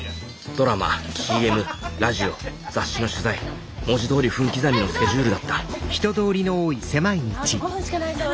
ドラマＣＭラジオ雑誌の取材文字どおり分刻みのスケジュールだったあと５分しかないぞ。